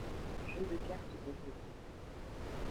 Jeu de cartes à jouer.